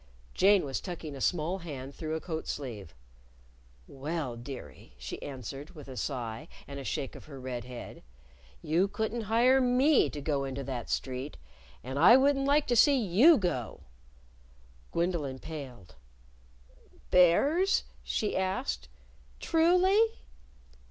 Jane was tucking a small hand through a coat sleeve. "Well, dearie," she answered, with a sigh and a shake of her red head, "you couldn't hire me to go into that street. And I wouldn't like to see you go." Gwendolyn paled. "Bears?" she asked. "_Truly?